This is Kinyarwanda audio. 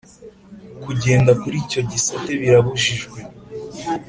Kugenda kuricyo gisate birabujijwe